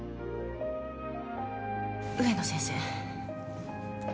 「植野先生」